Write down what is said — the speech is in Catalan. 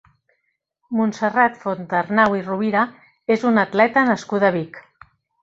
Montserrat Fontarnau i Rovira és una atleta nascuda a Vic.